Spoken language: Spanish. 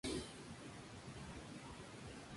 La estación de ferrocarril más cercana es Cheboksary.